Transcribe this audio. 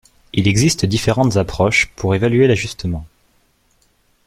Il existe différentes approches pour évaluer l'ajustement.